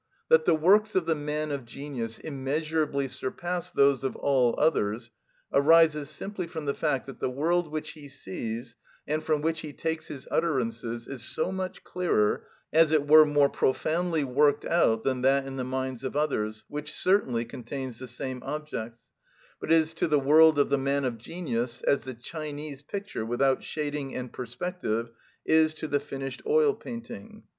That the works of the man of genius immeasurably surpass those of all others arises simply from the fact that the world which he sees, and from which he takes his utterances, is so much clearer, as it were more profoundly worked out, than that in the minds of others, which certainly contains the same objects, but is to the world of the man of genius as the Chinese picture without shading and perspective is to the finished oil painting.